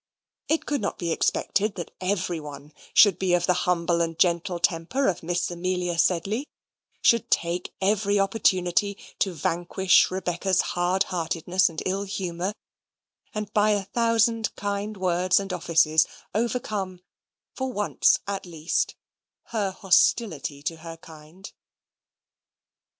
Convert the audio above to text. it could not be expected that every one should be of the humble and gentle temper of Miss Amelia Sedley; should take every opportunity to vanquish Rebecca's hard heartedness and ill humour; and, by a thousand kind words and offices, overcome, for once at least, her hostility to her kind.